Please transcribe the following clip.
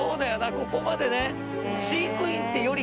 ここまでね